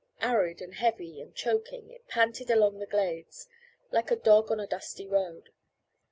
Arid and heavy, and choking, it panted along the glades, like a dog on a dusty road.